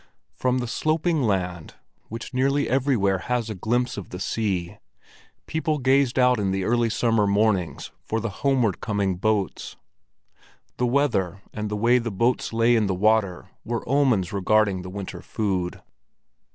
From the sloping land, which nearly everywhere has a glimpse of the sea, people gazed out in the early summer mornings for the homeward coming boats. The weather and the way the boats lay in the water were omens regarding the winter food.